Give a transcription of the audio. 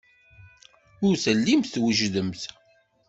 Ur tellimt twejdemt.